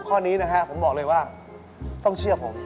ข้อนี้นะฮะผมบอกเลยว่าต้องเชื่อผม